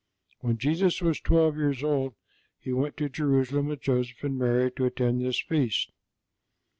When Jesus was twelve years old He went to Jerusalem with Joseph and Mary to attend this feast.